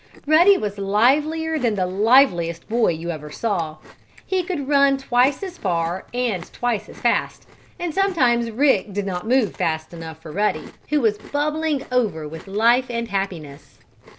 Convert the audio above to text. Ruddy was livelier than the liveliest boy you ever saw. He could run twice as far and twice as fast, and sometimes Rick did not move fast enough for Ruddy, who was bubbling over with life and happiness.